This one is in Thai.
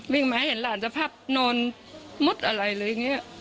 มาให้เห็นหลานสภาพนอนมุดอะไรเลยอย่างนี้